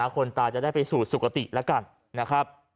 คนตายจะได้ไปสูดสุขตินะครับ